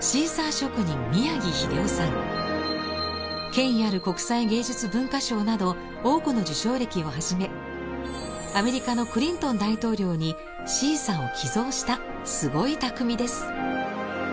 権威ある国際芸術文化賞など多くの受賞歴を始めアメリカのクリントン大統領にシーサーを寄贈したすごい匠です。